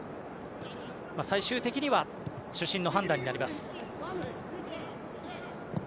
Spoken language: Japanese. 最終的には主審の判断になります。